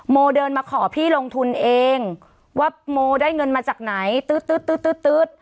โมเดินมาขอพี่ลงทุนเองว่าโมได้เงินมาจากไหนตื๊ดตื๊ดตื๊ดตื๊ดตื๊ด